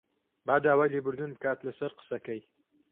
با داوای لێبوردن بکات لەسەر قسەکەی